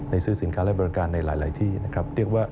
ซื้อสินค้าและบริการในหลายที่นะครับ